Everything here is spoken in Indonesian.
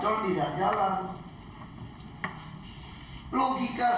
cocok nggak jadi penemuan badan penanggulangan bencana